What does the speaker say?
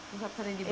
pusat seni di bali